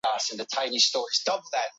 Gazteak ere bereiz daitezke mendian.